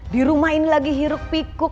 di rumah ini lagi hiruk pikuk